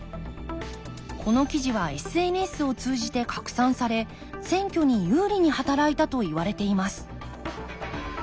この記事はＳＮＳを通じて拡散され選挙に有利に働いたといわれています